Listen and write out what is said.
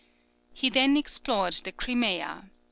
He then explored the Crimea.